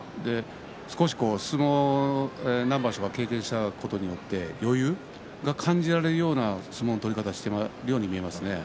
少し相撲を何場所か経験したことによって余裕が感じられるような相撲の取り方をしているように見えますね。